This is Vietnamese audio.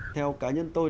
theo cá nhân tôi